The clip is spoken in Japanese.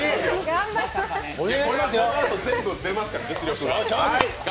このあと全部出ますから、実力が。